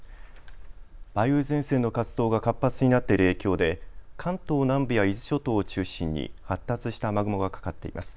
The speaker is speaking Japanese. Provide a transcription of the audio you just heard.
梅雨前線の活動が活発になっている影響で関東南部や伊豆諸島を中心に発達した雨雲がかかっています。